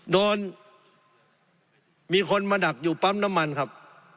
มีคนมาดักอยู่ปั๊มน้ำมันครับ